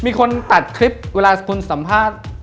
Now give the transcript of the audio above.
มีคนตัดคลิปเวลาคุณสัมภาษณ์